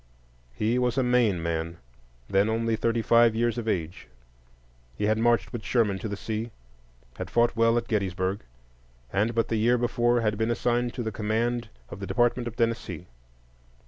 He was a Maine man, then only thirty five years of age. He had marched with Sherman to the sea, had fought well at Gettysburg, and but the year before had been assigned to the command of the Department of Tennessee.